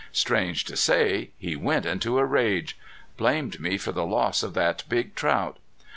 Strange to say, he went into a rage! Blamed me for the loss of that big trout!